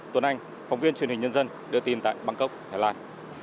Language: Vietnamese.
tuấn anh phóng viên truyền hình nhân dân đưa tin tại bangkok thái lan